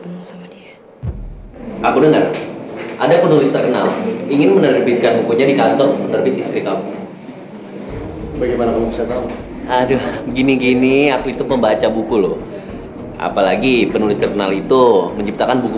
menciptakan buku buku yang baiknya